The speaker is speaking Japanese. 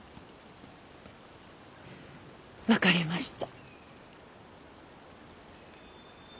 分かりました。